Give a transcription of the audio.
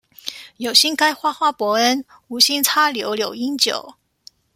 有新開花花伯恩、無心插柳柳英九